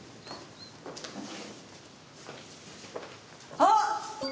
あっ！